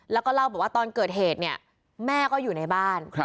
แล้วก็เล่าบอกว่าตอนเกิดเหตุเนี่ยแม่ก็อยู่ในบ้าน